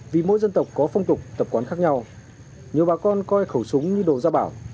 vì mỗi dân tộc có phong tục tập quán khác nhau nhiều bà con coi khẩu súng như đồ gia bảo